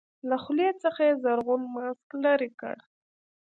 له خولې څخه يې زرغون ماسک لرې کړ.